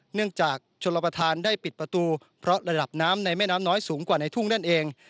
จากชนรับประทานได้ปิดประตูเพราะระดับน้ำในแม่น้ำน้อยสูงกว่าในทุ่งนั่นเอง